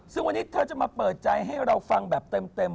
ซึ่งวันนี้เธอจะมาเปิดใจให้เราฟังแบบเต็ม